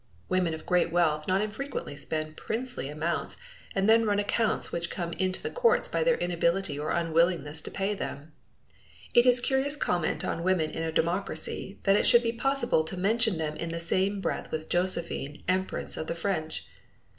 Women of great wealth not infrequently spend princely allowances and then run accounts which come into the courts by their inability or unwillingness to pay them. It is curious comment on women in a democracy that it should be possible to mention them in the same breath with Josephine, Empress of the French.